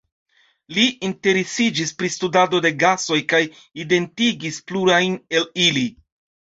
Li interesiĝis pri studado de gasoj kaj identigis plurajn el ili.